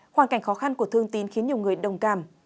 hoàn cảnh khó khăn của thương tín khiến nhiều người đồng cảm